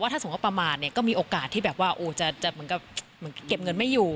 ถ้าสมมติว่าประมาณก็มีโอกาสที่แบบว่าเก็บเงินไม่อยู่